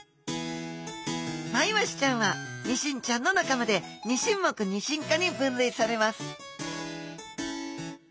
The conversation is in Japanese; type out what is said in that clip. マイワシちゃんはニシンちゃんの仲間でニシン目ニシン科に分類されます